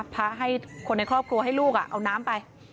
พระให้คนในครอบครัวให้ลูกเอาน้ำไป